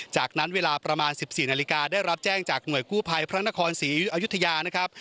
จากนั้นเวลาประมาณ๑๔นาฬิกาได้รับแจ้งจากหน่วยกู้ภัยพระนครศรีอยุธยานะครับ